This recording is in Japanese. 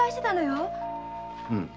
うん。